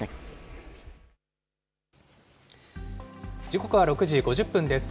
時刻は６時５０分です。